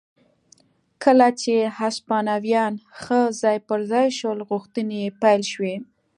کله چې هسپانویان ښه ځای پر ځای شول غوښتنې یې پیل شوې.